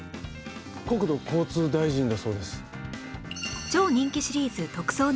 国土交通大臣だそうです。